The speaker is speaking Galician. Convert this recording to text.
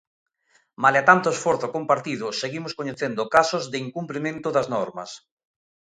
Malia tanto esforzo compartido, seguimos coñecendo casos de incumprimento das normas.